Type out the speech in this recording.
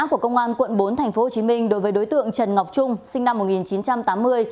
của công an quận bốn tp hcm đối với đối tượng trần ngọc trung sinh năm một nghìn chín trăm tám mươi